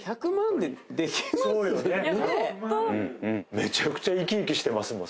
めちゃくちゃ生き生きしてますもん